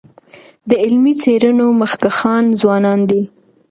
د علمي څېړنو مخکښان ځوانان دي.